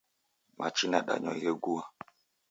Machi nadanywa ghegua